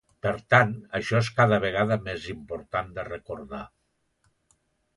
Per tant, això és cada vegada més important de recordar.